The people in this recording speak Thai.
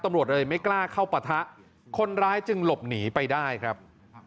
ตำรวจเลยไม่กล้าเข้าปะทะคนร้ายจึงหลบหนีไปได้ครับ